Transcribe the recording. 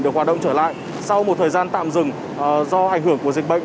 được hoạt động trở lại sau một thời gian tạm dừng do ảnh hưởng của dịch bệnh